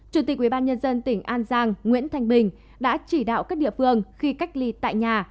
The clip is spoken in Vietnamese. chủ tịch ubnd tỉnh an giang nguyễn thanh bình đã chỉ đạo các địa phương khi cách ly tại nhà